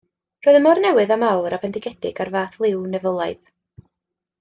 Roedd e mor newydd a mawr a bendigedig a'r fath liw nefolaidd.